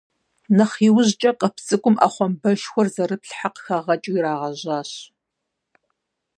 Нэхъ иужькӏэ къэп цӏыкӏум ӏэпхъуамбэшхуэр зэрыплъхьэ къыхагъэкӏыу ирагъэжьащ.